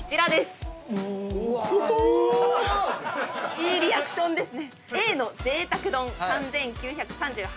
いいリアクションですね。